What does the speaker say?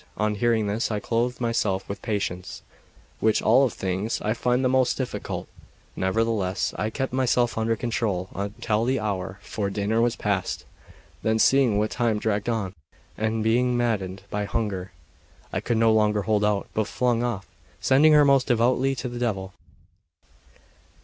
On hearing this, I clothed myself with patience, which of all things I find the most difficult. Nevertheless, I kept myself under control until the hour for dinner was past. Then, seeing that time dragged on, and being maddened by hunger, I could no longer hold out, but flung off, sending her most devoutly to the devil.